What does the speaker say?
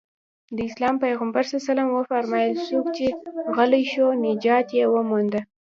د اسلام پيغمبر ص وفرمايل څوک چې غلی شو نجات يې ومونده.